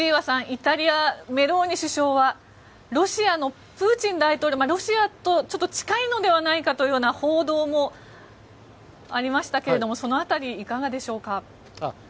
イタリア、メローニ首相はロシアのプーチン大統領ロシアとちょっと近いのではないかというような報道もありましたけどもその辺り、いかがでしょうか。